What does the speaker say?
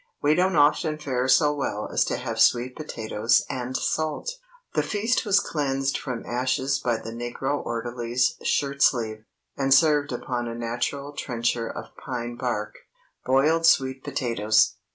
We don't often fare so well as to have sweet potatoes and salt." The feast was cleansed from ashes by the negro orderly's shirt sleeve, and served upon a natural trencher of pine bark. BOILED SWEET POTATOES.